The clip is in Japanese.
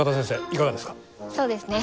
いかがですか？